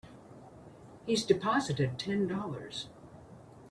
He's deposited Ten Dollars.